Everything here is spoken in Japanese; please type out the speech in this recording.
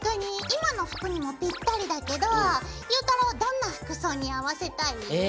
今の服にもぴったりだけどゆうたろうどんな服装に合わせたい？え。